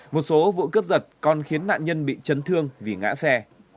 một số vụ cướp giật còn khiến nạn nhân bị chấn thương vì ngã xe